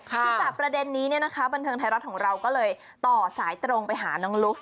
คือจากประเด็นนี้บันเทิงไทยรัฐของเราก็เลยต่อสายตรงไปหาน้องลุ๊ก